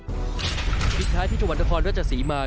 ที่สุดท้ายที่จังหวัดนครรัชศรีมา